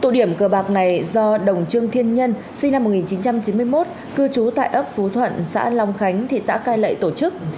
tụ điểm cờ bạc này do đồng trương thiên nhân sinh năm một nghìn chín trăm chín mươi một cư trú tại ấp phú thuận xã long khánh thị xã cai lệ tổ chức